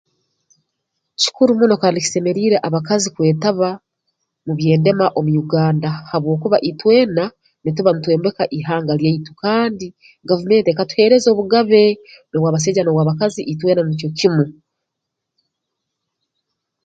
Kikuru muno kandi kisemeriire abakazi kwetaba mu by'endema omu Uganda habwokuba itwena nituba ntwombeka ihanga lyaitu kandi gavumenti ekatuheereza obugabe obw'abasaija n'obw'abakazi itwena nikyo kimu